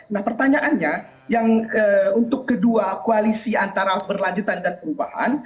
nah pertanyaannya yang untuk kedua koalisi antara berlanjutan dan perubahan